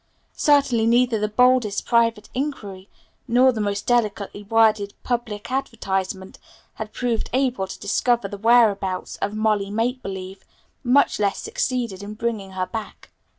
Certainly neither the boldest private inquiry nor the most delicately worded public advertisement had proved able to discover the whereabouts of "Molly Make Believe," much less succeeded in bringing her back.